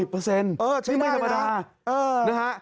๑๐เปอร์เซ็นต์ใช่ไหมฮะ